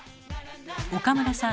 岡村さん